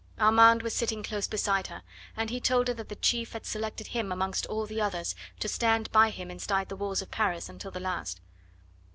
Armand was sitting close beside her, and he told her that the chief had selected him amongst all the others to stand by him inside the walls of Paris until the last.